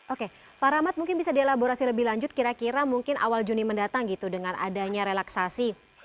oke pak rahmat mungkin bisa dielaborasi lebih lanjut kira kira mungkin awal juni mendatang gitu dengan adanya relaksasi